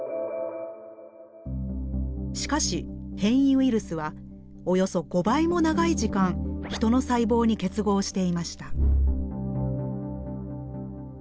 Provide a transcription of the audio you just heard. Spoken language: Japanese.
しかし変異ウイルスはおよそ５倍も長い時間人の細胞に結合していました。